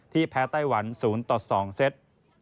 แพ้ไต้หวัน๐ต่อ๒เซต